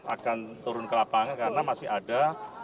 akan turun ke lapangan karena masih ada